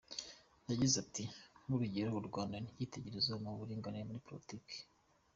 Yagize ati “Nk’urugero u Rwanda, ni icyitegererezo mu buringanire muri politiki.